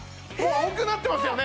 青くなってますよね？